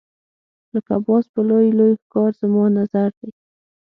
لکه باز په لوی لوی ښکار زما نظر دی.